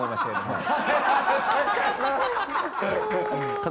はい。